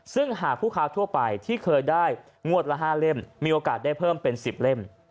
ซึ่งหากผู้ค้าทั่วไปที่เคยได้งวดละ๕เล่มมีโอกาสได้เพิ่มเป็น๑๐เล่ม